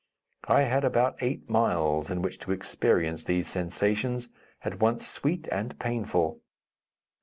I had about eight miles in which to experience these sensations, at once sweet and painful.